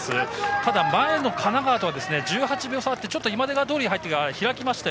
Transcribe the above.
ただ、前の神奈川とは１８秒差あってちょっと今出川通に入って開きました。